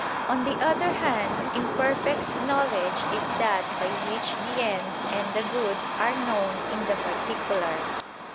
On the other hand, imperfect knowledge is that by which the end and the good are known in the particular.